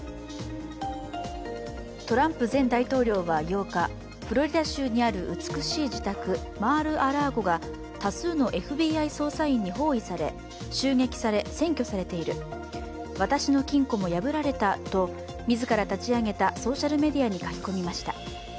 トランプ前大統領は８日フロリダ州にある美しい自宅マール・ア・ラーゴが多数のＦＢＩ捜査員に包囲され襲撃され、占拠されている、私の金庫も破られたと自ら立ち上げたソーシャルメディアに書き込みました。